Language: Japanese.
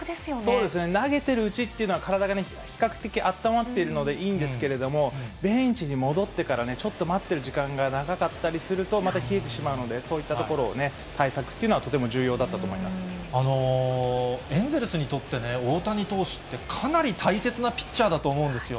そうですね、投げてるうちっていうのは体が比較的あったまっているので、いいんですけれども、ベンチに戻ってからね、ちょっと待ってる時間が長かったりすると、また冷えてしまうので、そういったところをね、対策っていうのはとても重要だったと思いエンゼルスにとってね、大谷投手ってかなり大切なピッチャーだと思うんですよ。